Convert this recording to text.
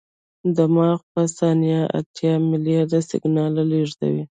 دماغ په ثانیه اتیا ملیارده سیګنال لېږي.